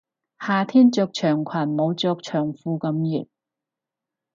夏天着長裙冇着長褲咁熱